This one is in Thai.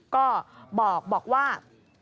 ก็บอกว่า